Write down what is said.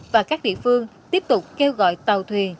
và các địa phương tiếp tục kêu gọi tàu thuyền